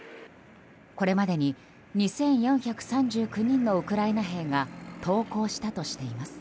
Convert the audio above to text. これまでに２４３９人のウクライナ兵が投降したとしています。